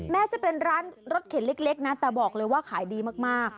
แม้จะเป็นร้านรถเข็นเล็กนะแต่บอกเลยว่าขายดีมาก